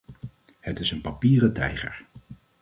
Het is een papieren tijger.